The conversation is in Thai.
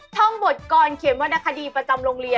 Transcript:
ท่องบทกรเขียนวรรณคดีประจำโรงเรียน